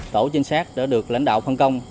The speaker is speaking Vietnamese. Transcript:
tổ chính sát đã được lãnh đạo phân công